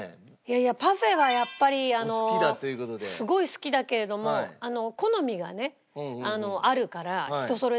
パフェはやっぱりすごい好きだけれども好みがねあるから人それぞれ。